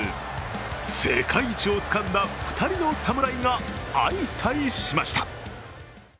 世界一をつかんだ２人の侍が相対しました。